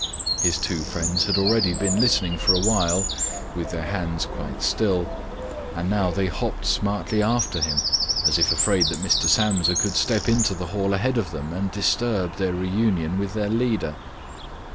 His two friends had already been listening for a while with their hands quite still, and now they hopped smartly after him, as if afraid that Mr. Samsa could step into the hall ahead of them and disturb their reunion with their leader.